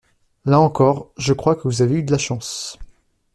Là encore, je crois que vous avez eu de la chance.